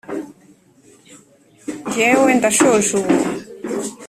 njyew ndasoje ubu